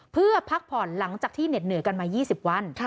เพื่อพักผ่อนหลังจากที่เหน็ดเหนื่อยกันมา๒๐วัน